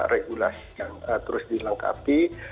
regulasi yang terus dilengkapi